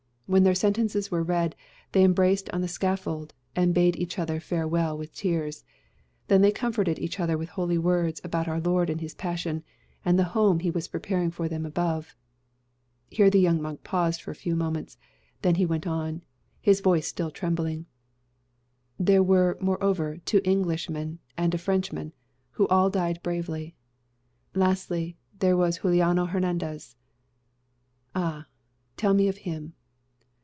When their sentences were read, they embraced on the scaffold, and bade each other farewell with tears. Then they comforted each other with holy words about our Lord and his passion, and the home he was preparing for them above." Here the young monk paused for a few moments; then went on, his voice still trembling: "There were, moreover, two Englishmen and a Frenchman, who all died bravely. Lastly, there was Juliano Hernandez." "Ah! tell me of him."